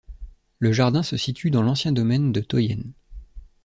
Le jardin se situe dans l'ancien domaine de Tøyen.